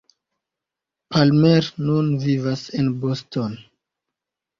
Palmer nun vivas en Boston.